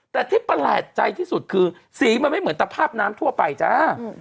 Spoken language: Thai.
แต่ที่ประหลาดใจที่สุดคือสีมันไม่เหมือนตภาพน้ำทั่วไปจ้า